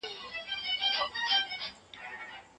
علامه رشاد د خوشال بابا په اړه ژورې څېړنې کړې دي.